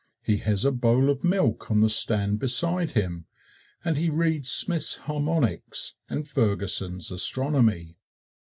He has a bowl of milk on the stand beside him, and he reads Smith's 'Harmonics' and Ferguson's 'Astronomy.'